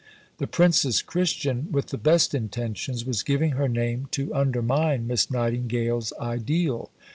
The Princess Christian, with the best intentions, was giving her name to undermine Miss Nightingale's ideal.